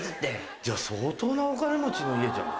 じゃあ相当なお金持ちの家じゃんここ。